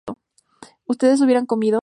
¿Ustedes hubieron comido?